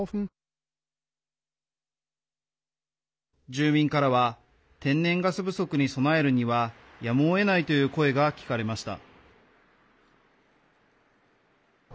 住民からは天然ガス不足に備えるにはやむをえないという声が聞かれました。